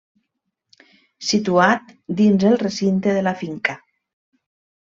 Situat dins el recinte de la finca.